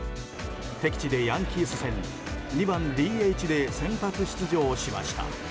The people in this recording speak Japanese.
敵地でヤンキース戦２番ＤＨで先発出場しました。